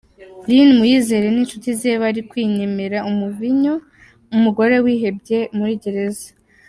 Lin Muyizere n’inshuti ze bari kwinywera umuvinyo, umugore yihebye muri gereza